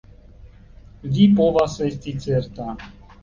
Vi povas esti certa.